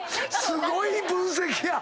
すごい分析や！